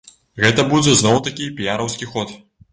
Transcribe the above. Гэта будзе зноў такі піяраўскі ход.